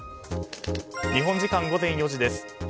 日本時間午前４時です。